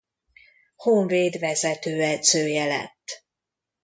Honvéd vezetőedzője lett.